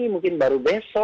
mungkin baru besok